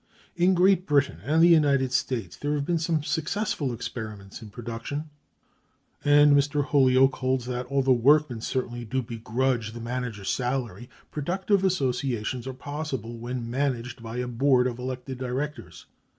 (323) In Great Britain and the United States there have been some successful experiments in production; and Mr. Holyoake(324) holds that, although workmen certainly do begrudge the manager's salary, productive associations are possible when managed by a board of elected directors.